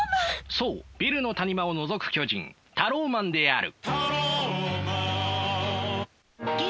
そうビルの谷間をのぞく巨人タローマンである。